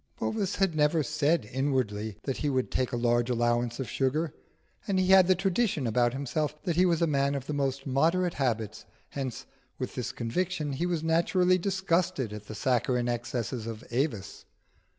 Bovis had never said inwardly that he would take a large allowance of sugar, and he had the tradition about himself that he was a man of the most moderate habits; hence, with this conviction, he was naturally disgusted at the saccharine excesses of Avis.